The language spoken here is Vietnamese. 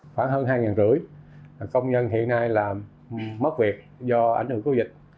khoảng hơn hai năm trăm linh công nhân hiện nay mất việc do ảnh hưởng covid một mươi chín